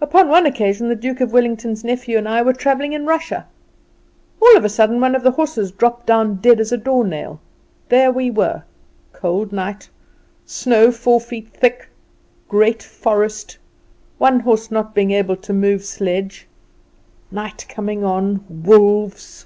Upon one occasion the Duke of Wellington's nephew and I were travelling in Russia. All of a sudden one of the horses dropped down dead as a doornail. There we were cold night snow four feet thick great forest one horse not being able to move the sledge night coming on wolves.